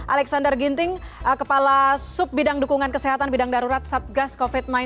alexander ginting kepala sub bidang dukungan kesehatan bidang darurat satgas covid sembilan belas